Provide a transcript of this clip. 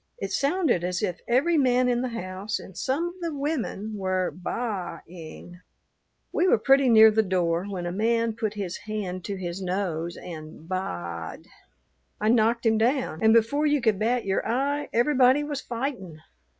It sounded as if every man in the house and some of the women were baa ing. "We were pretty near the door when a man put his hand to his nose and baa ed. I knocked him down, and before you could bat your eye everybody was fightin'.